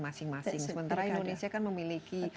masing masing sementara indonesia kan memiliki